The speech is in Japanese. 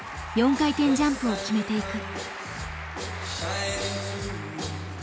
４回転ジャンプを決めていく。